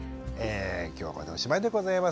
今日はこれでおしまいでございます。